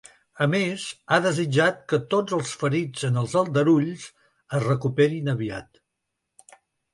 A més, ha desitjat que tots els ferits en els aldarulls es recuperin aviat.